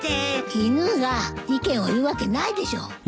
犬が意見を言うわけないでしょ！